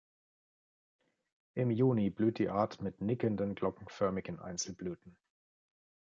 Im Juni blüht die Art mit nickenden, glockenförmigen Einzelblüten.